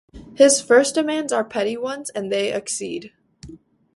His first demands are petty ones, and they accede.